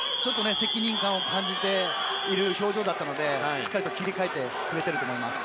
責任感を感じている表情だったのでしっかり切り替えてくれていると思います。